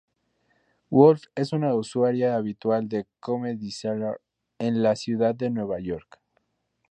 Wolf es una usuaria habitual de Comedy Cellar en la ciudad de Nueva York.